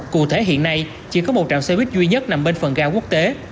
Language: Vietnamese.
cụ thể hiện nay chỉ có một trạm xe buýt duy nhất nằm bên phần ga quốc tế